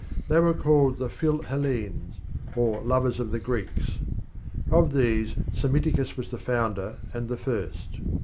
They were called Phil Hellenes, or Lovers of the Greeks. Of these Psammiticus was the founder and the first.